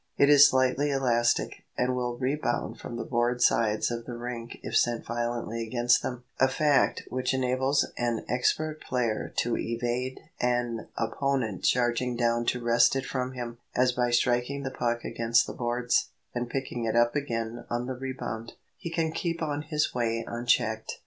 It is slightly elastic, and will rebound from the board sides of the rink if sent violently against them; a fact which enables an expert player to evade an opponent charging down to wrest it from him, as by striking the puck against the boards, and picking it up again on the rebound, he can keep on his way unchecked.